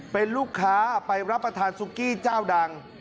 เป็นลูกค้าไปรับประทานซุกี้เจ้าดัง